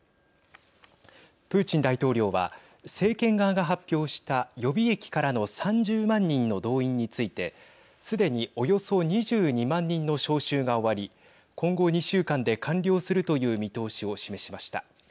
プーチン大統領は政権側が発表した予備役からの３０万人の動員について、すでにおよそ２２万人の招集が終わり今後２週間で完了するという見通しを示しました。